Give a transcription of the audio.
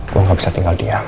saya tidak bisa berdiam